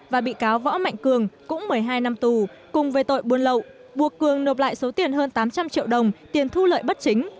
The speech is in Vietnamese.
và bị cáo võ mạnh cường cũng một mươi hai năm tù cùng với tội buôn lậu buộc cường nộp lại số tiền hơn tám trăm linh triệu đồng tiền thu lợi bất chính